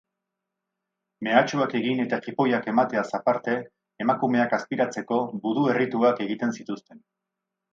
Mehatxuak egin eta jipoiak emateaz aparte, emakumeak azpiratzeko budu errituak egiten zituzten.